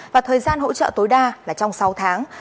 và thời gian hỗ trợ tối đa là trong sáu tháng